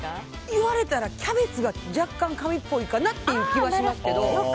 言われたらキャベツが若干紙っぽいかなって気はしますけど。